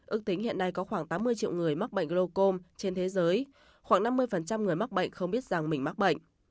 ước tính hiện nay có khoảng tám mươi triệu người mắc bệnh glocom trên thế giới khoảng năm mươi người mắc bệnh không biết rằng mình mắc bệnh